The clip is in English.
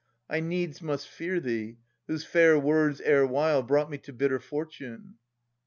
I needs must fear thee, whose fair words erewhile Brought me to bitter fortune.